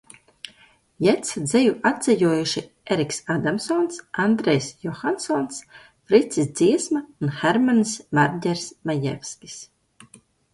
Jeitsa dzeju atdzejojuši Eriks Ādamsons, Andrejs Johansons, Fricis Dziesma un Hermanis Marģers Majevskis.